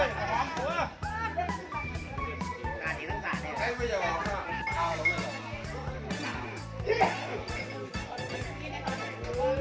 ไตรที่ยกตีชอบจอดลงคือไตรดับ